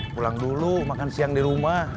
pulang dulu makan siang di rumah